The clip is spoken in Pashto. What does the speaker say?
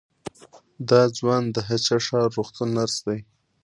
دا ځوان د هه چه ښار روغتون نرس دی.